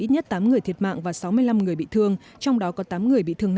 người bị thương nặng